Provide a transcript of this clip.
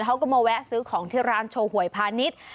เขาก็มาแวะซื้อของที่ร้านโชว์หวยพาณิชย์